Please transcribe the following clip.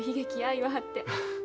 言わはって。